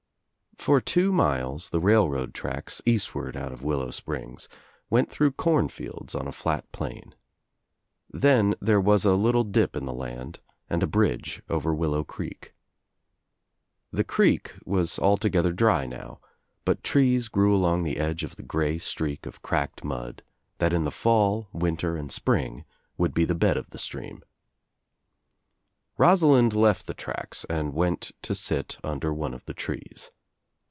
For two miles the railroad tracks, eastward out of Willow Springs, went through corn fields on a flat plain. Then there was a litfte dip in the land and a bridge over Willow Creek. The Creek was altogether dry now but trees grew along the edge of the grey streak of cracked mud that in the fall, winter and spring would be the bed of the stream. Rosalind left the tracks and went to sit under one of the trees.